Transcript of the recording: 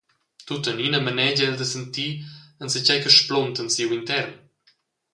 Tuttenina manegia el da sentir enzatgei che splunta en siu intern.